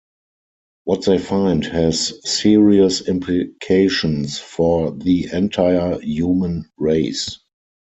What they find has serious implications for the entire human race.